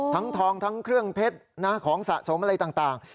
ทั้งทองทั้งเครื่องเพชรของสะสมอะไรต่าง